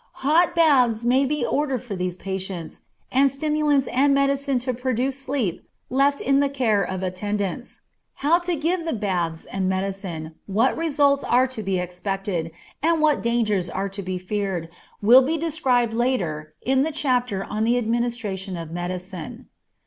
Hot baths may be ordered for these patients, and stimulants and medicine to produce sleep left in the care of attendants. How to give the baths and medicine, what results are to be expected, and what dangers are to be feared, will be described later, in the chapter on the administration of medicine.